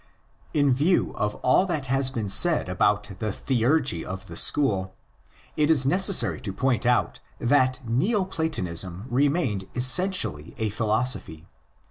In view of all that has been said about the '"'theurgy ᾿᾿ of the school, it is necessary to point out that Neo Platonism remained essentially a philosophy.